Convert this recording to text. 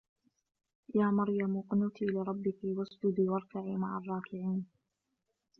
يَا مَرْيَمُ اقْنُتِي لِرَبِّكِ وَاسْجُدِي وَارْكَعِي مَعَ الرَّاكِعِينَ